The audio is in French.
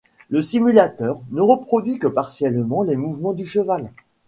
Le simulateur ne reproduit que partiellement les mouvements du cheval.